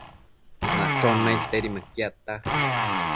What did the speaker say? Machon naidtedi mëquiadta